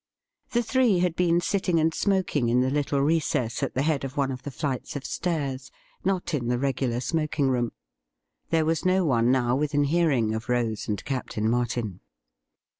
The three had been sitting and smoking in the little recess at the head of one of the flights of stairs — not in the regular smoking room. There was no one now within hearing of Rose and Captain Martin.